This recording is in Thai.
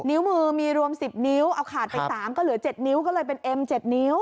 นิ้วมือมีรวม๑๐นิ้วเอาขาดไป๓ก็เหลือ๗นิ้วก็เลยเป็นเอ็ม๗นิ้ว